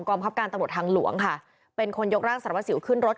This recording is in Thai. บังคับการตำรวจทางหลวงค่ะเป็นคนยกร่างสารวัสสิวขึ้นรถ